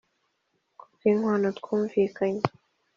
kubw’inkwano twumvikanye